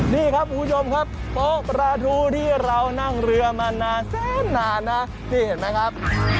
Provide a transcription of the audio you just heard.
นี่ครับคุณผู้ชมครับโต๊ะปลาทูที่เรานั่งเรือมานานแสนนานนะนี่เห็นไหมครับ